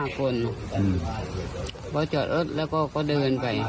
ก็จอดรถแล้อก็เดินไป